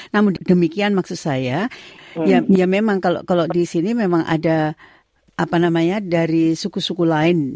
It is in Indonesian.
namun demikian maksud saya ya memang kalau di sini memang ada apa namanya dari suku suku lain